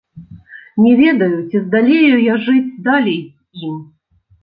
Не ведаю, ці здалею я жыць далей з ім.